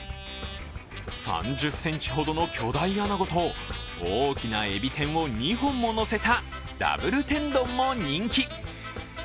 ３０ｃｍほどの巨大あなごと大きなえび天を２本ものせたダブル天丼も人気。